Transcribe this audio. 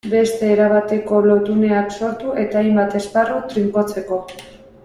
Beste erabateko lotuneak sortu eta hainbat esparru trinkotzeko.